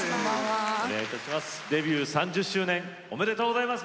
デビュー３０周年おめでとうございます。